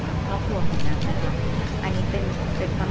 ความรักษ์ของพวกนั้นเป็นความหักในที่ฉันไม่ได้จริง